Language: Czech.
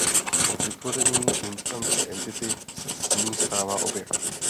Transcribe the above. Po vytvoření instance entity se z ní stává objekt.